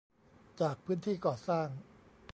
จากพื้นที่ก่อสร้าง